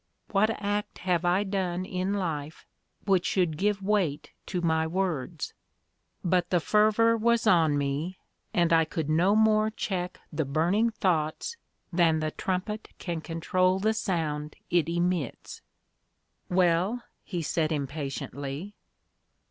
What act have I done in life which should give weight to my words?" but the fervour was on me, and I could no more check the burning thoughts than the trumpet can control the sound it emits. "Well," he said impatiently.